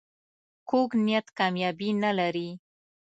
کوږ نیت کامیابي نه لري